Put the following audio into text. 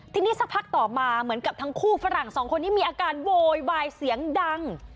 ทีนี้สักพักต่อมาเหมือนกับทั้งคู่ฝรั่งสองคนนี้มีอาการโวยวายเสียงดัง